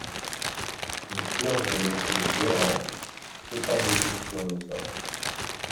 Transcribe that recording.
Une fleur de lotus géante s'épanouit sur le sol.